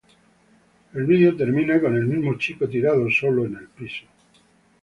El vídeo termina con el mismo chico tirado solo en el piso.